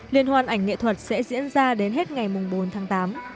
liên hoan ảnh nghệ thuật sẽ diễn ra đến hết ngày bốn tháng tám